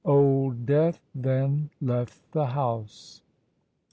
Old Death then left the house.